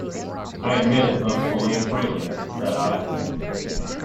"I admit it most fully and freely," said I.